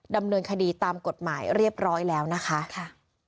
ดำเนินคดีตามกฎหมายเรียบร้อยแล้วนะคะ